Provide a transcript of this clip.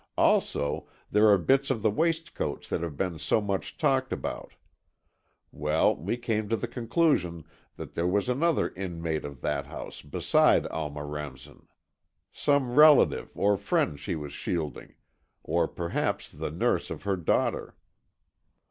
Also, there are bits of the waistcoats that have been so much talked about. Well, we came to the conclusion that there was another inmate of that house beside Alma Remsen. Some relative or friend she was shielding, or perhaps the nurse or her daughter.